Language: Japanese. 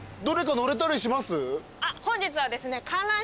本日はですね。